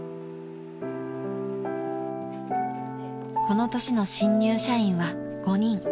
［この年の新入社員は５人］